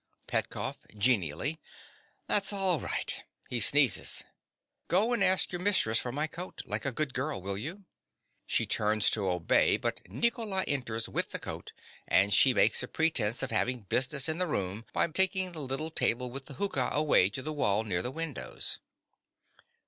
PETKOFF. (genially). That's all right. (He sneezes.) Go and ask your mistress for my coat, like a good girl, will you? (_She turns to obey; but Nicola enters with the coat; and she makes a pretence of having business in the room by taking the little table with the hookah away to the wall near the windows.